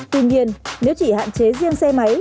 tuy nhiên nếu chỉ hạn chế riêng xe máy